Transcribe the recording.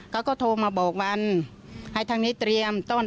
แม่ทำถูกต้อง